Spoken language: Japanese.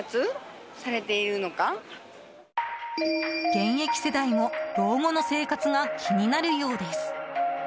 現役世代も老後の生活が気になるようです。